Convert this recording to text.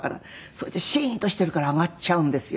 それでシーンとしているから上がっちゃうんですよ